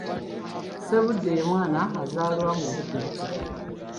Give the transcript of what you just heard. Ssebudde ye mwana azaalwa ng’obudde bukya.